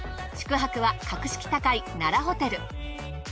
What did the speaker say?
宿泊は格式高い奈良ホテル。